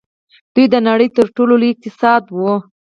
دوی د نړۍ تر ټولو لوی اقتصاد وو.